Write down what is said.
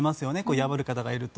破る方がいると。